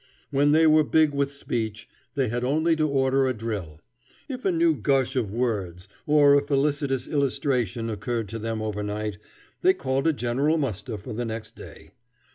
When they were big with speech they had only to order a drill. If a new gush of words or a felicitous illustration occurred to them overnight, they called a general muster for the next day.